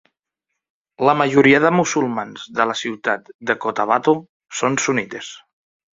La majoria de musulmans de la ciutat de Cotabato són sunnites.